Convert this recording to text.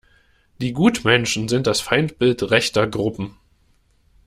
Die Gutmenschen sind das Feindbild rechter Gruppen.